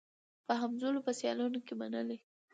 په همزولو په سیالانو کي منلې